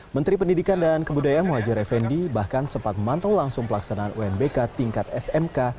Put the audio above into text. menteri pendidikan dan kebudayaan muhajir effendi bahkan sempat memantau langsung pelaksanaan unbk tingkat smk